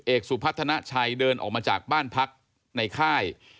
สุพัฒนาชัยเดินออกมาจากบ้านพักในค่าย